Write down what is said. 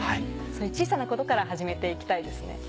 そういう小さなことから始めて行きたいですね。